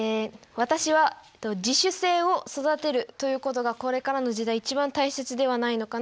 私は自主性を育てるということがこれからの時代一番大切ではないのかなと考えています。